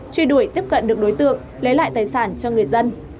truy đuổi tiếp cận được đối tượng lấy lại tài sản cho người dân